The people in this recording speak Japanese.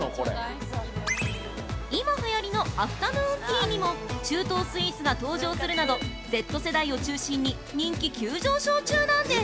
今はやりのアフタヌーンティーにも中東スイーツが登場するなどＺ世代を中心に人気急上昇中なんです！